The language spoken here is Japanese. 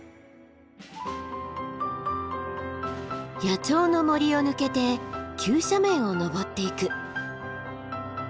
野鳥の森を抜けて急斜面を登っていく。